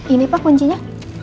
ini pak kuncinya